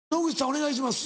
お願いします。